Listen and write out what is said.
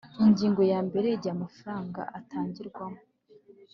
Ingingo ya mbere Igihe amafaranga atangirwamo